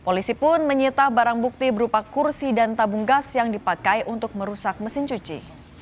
polisi pun menyita barang bukti berupa kursi dan tabung gas yang dipakai untuk merusak mesin cuci